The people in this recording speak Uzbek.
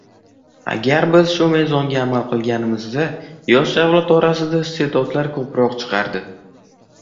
Agar biz shu mezonga amal qilganimizda yosh avlod orasidan isteʼdodlar ko‘proq chiqardi.